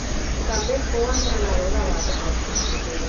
També fou entrenador de bàsquet.